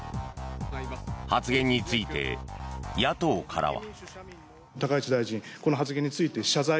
発言について、野党からは。